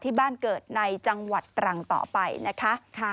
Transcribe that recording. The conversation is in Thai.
ที่บ้านเกิดในจังหวัดตรังต่อไปนะคะ